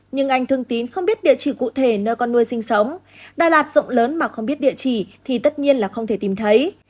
nhưng anh thương tín không biết địa chỉ cụ thể nơi con nuôi sinh sống đà lạt rộng lớn mà không biết địa chỉ thì tất nhiên là không thể tìm thấy